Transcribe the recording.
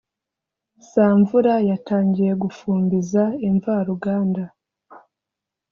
samvura yatangiye gufumbiza imvaruganda